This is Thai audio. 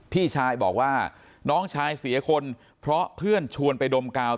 พี่ชายบอกว่าน้องชายเสียคนเพราะเพื่อนชวนไปดมกาว